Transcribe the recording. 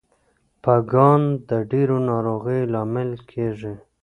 پګان د ډیرو ناروغیو لامل کیږي.